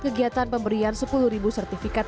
kegiatan pemberian sepuluh sertifikat